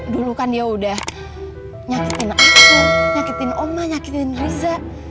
dulu kan dia udah nyakitin aku nyakitin oma nyakitin riza